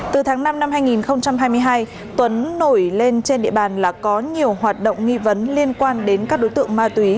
từ tháng năm năm hai nghìn hai mươi hai tuấn nổi lên trên địa bàn là có nhiều hoạt động nghi vấn liên quan đến các đối tượng ma túy